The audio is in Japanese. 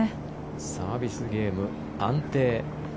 サービスゲーム、安定。